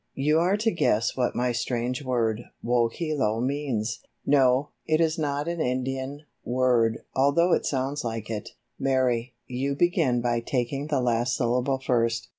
"You are to guess what my strange word, 'Wohelo' means. No, it is not an Indian, word, although it sounds like it. Mary, you begin by taking the last syllable first.